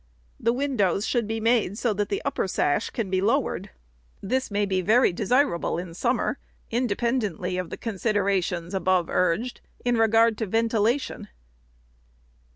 The windows should be made so that the upper sash can be lowered. This may be very desirable in summer, independently of the considerations, above urged, in regard to ventilation.